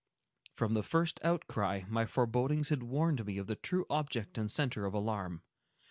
From the first outcry, my forebodings had warned me of the true object and centre of alarm.